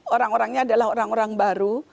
orang orangnya adalah orang orang baru